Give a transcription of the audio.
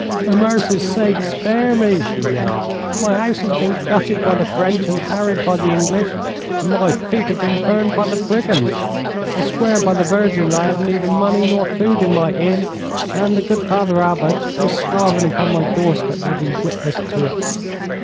'For mercy's sake, spare me,' he yelled. 'My house has been gutted by the French and harried by the English, and my feet have been burned by the brigands. I swear by the Virgin that I have neither money nor food in my inn, and the good Father Abbot, who is starving upon my doorstep, will be witness to it.'